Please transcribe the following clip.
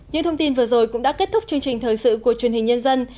những thông tin vừa rồi cũng đã kết thúc chương trình thời sự của truyền hình nhân dân